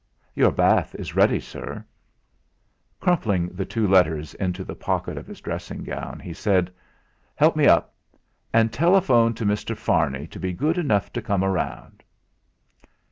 "Your bath is ready, sir." Crumpling the two letters into the pocket of his dressing gown, he said: "Help me up; and telephone to Mr. Farney to be good enough to come round."